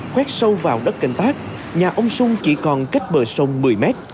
khoét sâu vào đất kênh tác nhà ông xuân chỉ còn cách bờ sông một mươi m